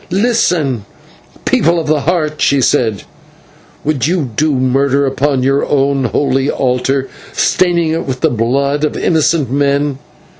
"Listen, people of the Heart," she said, "would you do murder upon your own holy altar, staining it with the blood of innocent men?